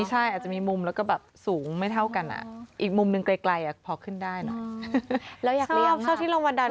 แต่ว่าเขาสตาร์ปให้ตัวเท่านั้น